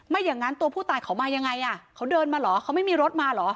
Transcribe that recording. อย่างนั้นตัวผู้ตายเขามายังไงอ่ะเขาเดินมาเหรอเขาไม่มีรถมาเหรอ